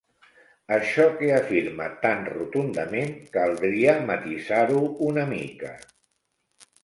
Això que afirma tan rotundament, caldria matisar-ho una mica.